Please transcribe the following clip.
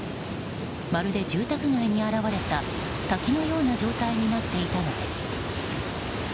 まるで住宅街に現れた滝のような状態になっていたのです。